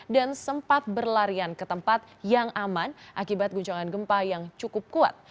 dan sempat berlarian ke tempat yang aman akibat guncangan gempa yang cukup kuat